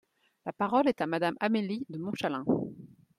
La parole est à Madame Amélie de Montchalin.